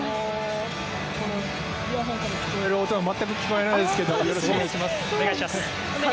イヤホンから聞こえる音が全く聞こえないですがよろしくお願いします。